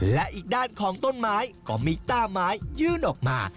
และอีกด้านของต้นไม้ก็มีต้าไม้ยื่นออกมา